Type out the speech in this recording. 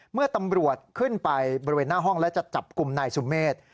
เมื่อตำรวจขึ้นไปบริเวณหน้าห้องและจะจับกลุ่มนายสุเมฆ